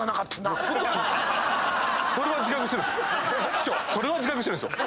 師匠それは自覚してるんすよ。